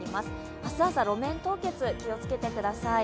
明日朝、路面凍結、気をつけてください。